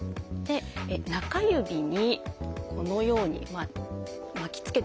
中指にこのように巻きつけていきます。